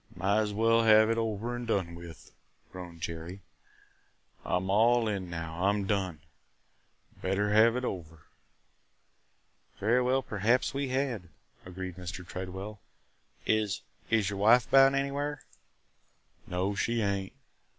"Might as well have it over and done with," groaned Jerry. "I 'm all in now. I 'm done! Better have it over!" "Very well, perhaps we had," agreed Mr. Tredwell. "Is – is your wife about anywhere?" "No – she ain't.